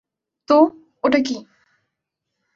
তো, ওটা কী?